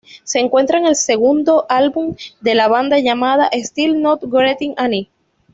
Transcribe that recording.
Se encuentra en el segundo álbum de la banda llamado "Still Not Getting Any...".